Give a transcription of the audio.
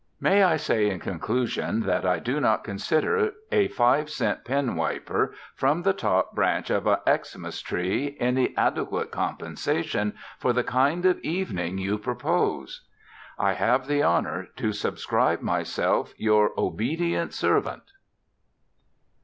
May I say in conclusion that I do not consider a five cent pen wiper from the top branch of a Xmas tree any adequate compensation for the kind of evening you propose. I have the honour To subscribe myself, Your obedient servant.